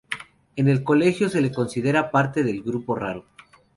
En el colegio se le considera parte del "Grupo Raro".